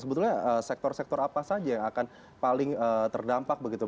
sebetulnya sektor sektor apa saja yang akan paling terdampak begitu